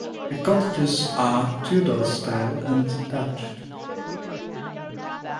The cottages are Tudor style and thatched.